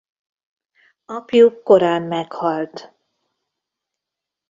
Apjuk korán meghalt.